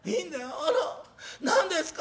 『あら何ですか？